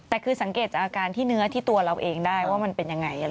แต่คือสังเกตอาการที่เนื้อที่ตัวเราเองได้ว่ามันเป็นยังไง